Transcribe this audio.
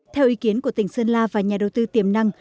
theo ý kiến của tỉnh sơn la và nhà đầu tư tiềm năng